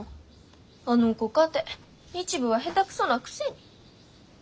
あの子かて日舞は下手くそなくせに。